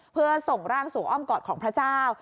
เพื่อส่งร่างสู่อ้อมกอดของพระเจ้า